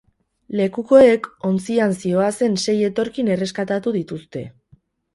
Lekukoek ontzian zihoazen sei etorkin erreskatatu dituzte.